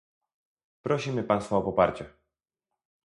Prosimy Państwa o poparcie